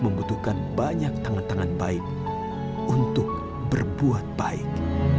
membutuhkan banyak tangan tangan baik untuk berbuat baik